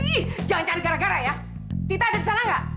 ih jangan jangan gara gara ya tita ada di sana nggak